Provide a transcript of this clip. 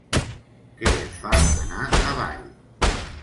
Que et fa anar avall.